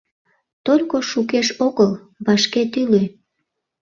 — Только шукеш огыл, вашке тӱлӧ.